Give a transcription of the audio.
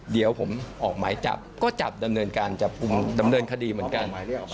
เดี๋ยวผมออกหมายจับก็จับดำเนินการจับกลุ่มดำเนินคดีเหมือนกัน